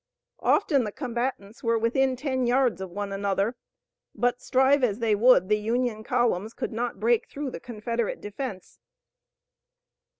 Often the combatants were within ten yards of one another, but strive as they would the Union columns could not break through the Confederate defense.